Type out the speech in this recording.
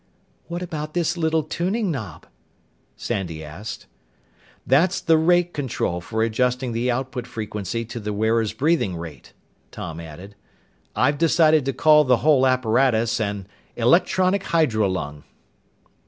"What about this little tuning knob?" Sandy asked. "That's the rate control for adjusting the output frequency to the wearer's breathing rate." Tom added, "I've decided to call the whole apparatus an 'electronic hydrolung.'"